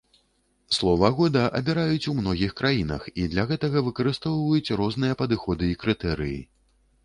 Слова года абіраюць у многіх краінах і для гэтага выкарыстоўваюць розныя падыходы і крытэрыі.